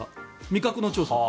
味覚の調査。